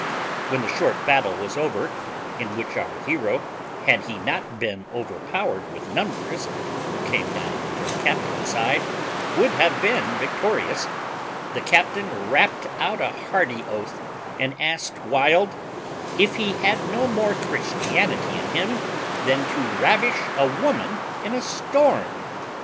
When the short battle was over, in which our hero, had he not been overpowered with numbers, who came down on their captain's side, would have been victorious, the captain rapped out a hearty oath, and asked Wild, if he had no more Christianity in him than to ravish a woman in a storm?